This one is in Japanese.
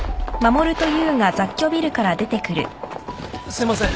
すいません。